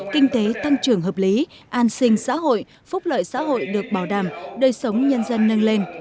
kinh tế tăng trưởng hợp lý an sinh xã hội phúc lợi xã hội được bảo đảm đời sống nhân dân nâng lên